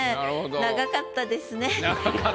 長かったですね。